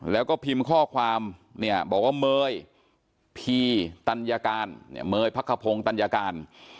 แล้วก็พิมพ์ข้อความเนี่ยบอกว่าเมย์พีตัญญาการเนี่ยเมย์พักขพงศ์ตัญญาการ